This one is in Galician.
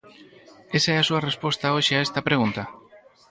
¿Esa é a súa resposta hoxe a esta pregunta?